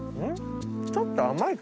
ちょっと甘いか？